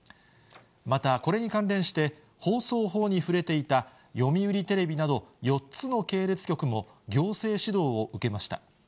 またこれに関連して、放送法に触れていた読売テレビなど４つの系列局も行政指導を受けました。